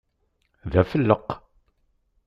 D afellaq!